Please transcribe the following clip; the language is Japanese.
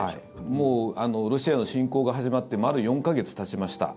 もうロシアの侵攻が始まって丸４か月たちました。